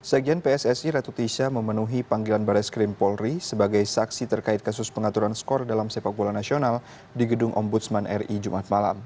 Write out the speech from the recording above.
sekjen pssi ratu tisha memenuhi panggilan baris krim polri sebagai saksi terkait kasus pengaturan skor dalam sepak bola nasional di gedung ombudsman ri jumat malam